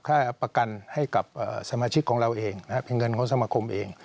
ค่าประกันให้กับสมาชิกของเราเองนะครับเป็นเงินของสมาคมเอง